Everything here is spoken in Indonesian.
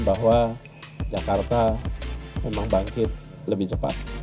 bahwa jakarta memang bangkit lebih cepat